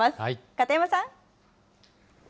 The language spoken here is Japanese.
片山さん。